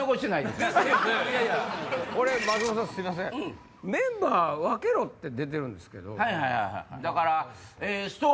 すいませんメンバー分けろって出てるんです。